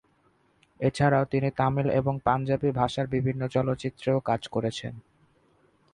এছাড়াও তিনি তামিল এবং পাঞ্জাবি ভাষার চলচ্চিত্রেও কাজ করেছেন।